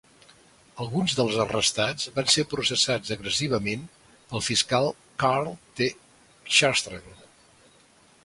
Alguns dels arrestats van ser processats agressivament pel fiscal Karl T. Chrastan.